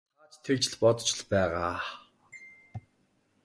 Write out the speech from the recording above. Та ч тэгж л бодож байгаа.